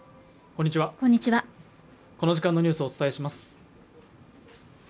こんにちはこの時間のニュースをお伝えします